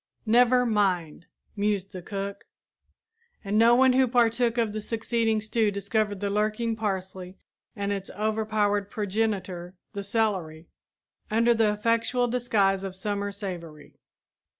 "Never mind," mused the cook; and no one who partook of the succeeding stew discovered the lurking parsley and its overpowered progenitor, the celery, under the effectual disguise of summer savory.